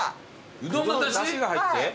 うどんのだしが入って？